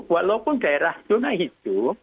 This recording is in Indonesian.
walaupun daerah zona hijau